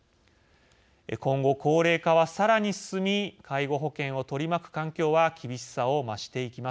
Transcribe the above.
今後高齢化はさらに進み介護保険を取り巻く環境は厳しさを増していきます。